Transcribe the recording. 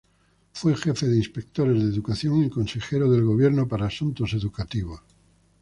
Fue jefe de inspectores de educación y consejero del Gobierno para asuntos educativos.